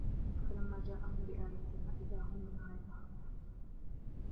فَلَمَّا جَاءَهُمْ بِآيَاتِنَا إِذَا هُمْ مِنْهَا يَضْحَكُونَ